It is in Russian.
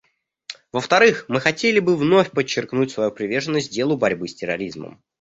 Во-вторых, мы хотели бы вновь подчеркнуть свою приверженность делу борьбы с терроризмом.